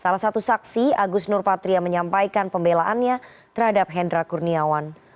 salah satu saksi agus nurpatria menyampaikan pembelaannya terhadap hendra kurniawan